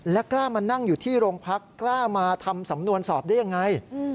และกล้ามานั่งอยู่ที่โรงพักกล้ามาทำสำนวนสอบได้ยังไง